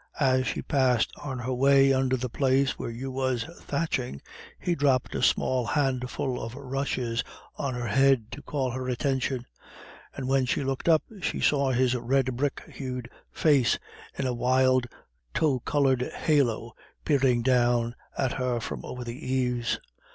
As she passed on her way under the place where Hugh was thatching, he dropped a small handful of rushes on her head to call her attention, and when she looked up she saw his red brick hued face in a wild tow coloured halo peering down at her from over the eaves.